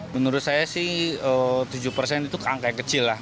menurut saya sih tujuh persen itu angka yang kecil lah